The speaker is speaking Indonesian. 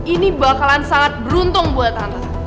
ini bakalan sangat beruntung buat anda